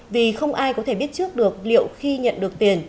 vì không ai có thể biết trước được liệu khi nhận được tiền